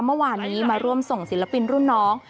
เมื่อวานนี้มาร่วมส่งศิลปินรุ่นน้อง